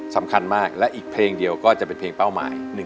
สำคัญมากและอีกเพลงเดียวก็จะเป็นเพลงเป้าหมาย